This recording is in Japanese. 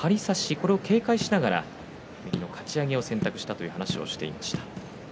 これを警戒しながら右のかち上げを選択したという話をしていました。